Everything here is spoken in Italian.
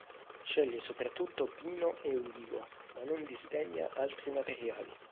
Sceglie soprattutto pino e ulivo, ma non disdegna altri materiali.